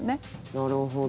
なるほど。